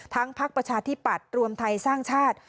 ทั้งพประชาธิบัตรรวมไทยสร้างชาติ